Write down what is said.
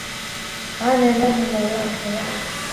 埃维利耶尔。